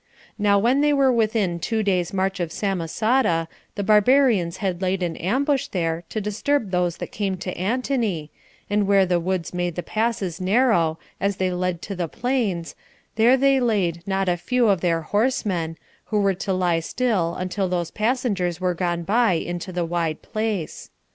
Now when they were within two days' march of Samosata, the barbarians had laid an ambush there to disturb those that came to Antony, and where the woods made the passes narrow, as they led to the plains, there they laid not a few of their horsemen, who were to lie still until those passengers were gone by into the wide place.